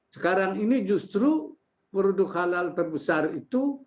sekarang ini justru produk halal terbesar itu